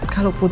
kalo putri kan